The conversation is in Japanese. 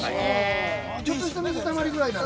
◆ちょっとした水たまりぐらいなら。